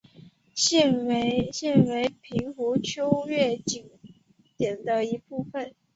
现为平湖秋月景点的一部分。